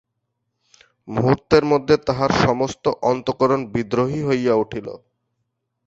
মুহূর্তের মধ্যে তাহার সমস্ত অন্তঃকরণ বিদ্রোহী হইয়া উঠিল।